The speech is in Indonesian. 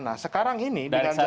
nah sekarang ini